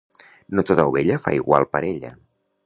No tota ovella fa igual parella.